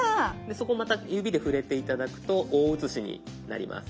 そこまた指で触れて頂くと大写しになります。